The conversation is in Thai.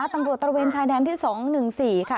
ตำรวจตระเวนชายแดงที่๒๑๔ค่ะ